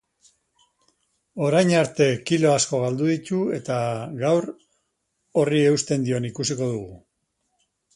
Orain arte kilo asko galdu ditu eta gaur horri eusten dion ikusiko dugu.